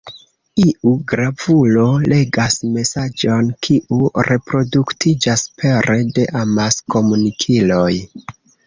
Iu gravulo legas mesaĝon, kiu reproduktiĝas pere de amaskomunikiloj.